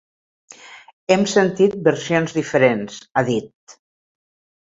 Hem sentit versions diferents, ha dit.